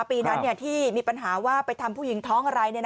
ปีนั้นที่มีปัญหาว่าไปทำผู้หญิงท้องอะไร